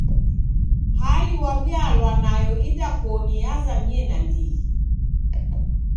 Hali w'aw'ialwa nayo idakoni yazamie nandighi.